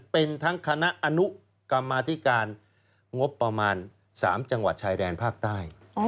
เป็นทั้งคณะอนุกรรมาธิการงบประมาณ๓จังหวัดชายแดนภาคใต้